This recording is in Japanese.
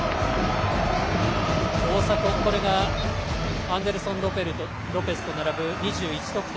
大迫、これがアンデルソン・ロペスと並ぶ２１得点。